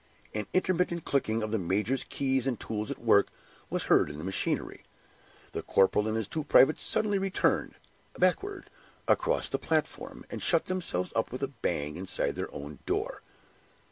An intermittent clicking, as of the major's keys and tools at work, was heard in the machinery. The corporal and his two privates suddenly returned, backward, across the platform, and shut themselves up with a bang inside their own door.